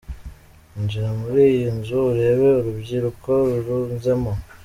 Injira muri iriya nzu urebe urubyiruko rurunzemo”.